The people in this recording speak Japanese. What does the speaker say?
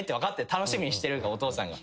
楽しみにしてるからお父さんが。